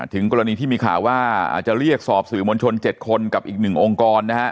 ถึงกรณีที่มีข่าวว่าอาจจะเรียกสอบสื่อมวลชน๗คนกับอีก๑องค์กรนะฮะ